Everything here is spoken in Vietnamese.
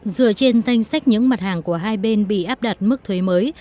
dựa trên danh sách những mặt hàng của hai bên bị áp đặt mức thuế mới